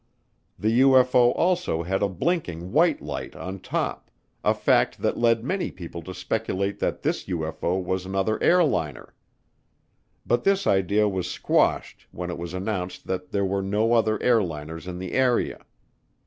The UFO also had a blinking white light on top, a fact that led many people to speculate that this UFO was another airliner. But this idea was quashed when it was announced that there were no other airliners in the area.